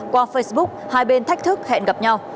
qua facebook hai bên thách thức hẹn gặp nhau